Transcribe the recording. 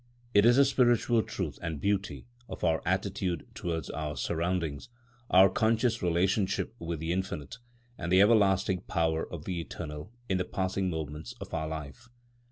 It is the spiritual truth and beauty of our attitude towards our surroundings, our conscious relationship with the Infinite, and the lasting power of the Eternal in the passing moments of our life.